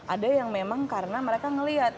ada yang memang karena mereka melihat